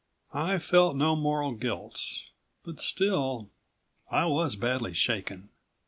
I felt no moral guilt, but still I was badly shaken.